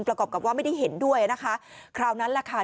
ประกอบกับว่าไม่ได้เห็นด้วยนะคะคราวนั้นแหละค่ะ